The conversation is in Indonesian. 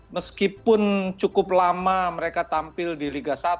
meskipun cukup lama mereka tampil di liga satu